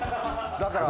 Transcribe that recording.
だから。